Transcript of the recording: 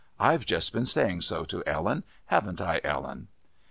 I've just been saying so to Ellen haven't I, Ellen?"